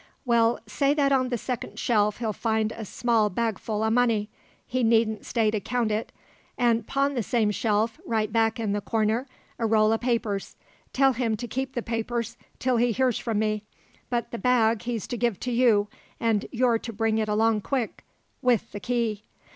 Well, say that on the second shelf he'll find a small bagful o' money he needn't stay to count it an' 'pon the same shelf, right back in the cornder, a roll o' papers. Tell him to keep the papers till he hears from me, but the bag he's to give to you, an' you're to bring it along quick with the key.